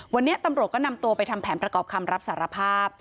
วันนี้ตำรวจก็นำตัวไปทำแผนประกอบคำรับสารภาพ